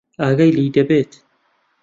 ئاگای لێ دەبێت.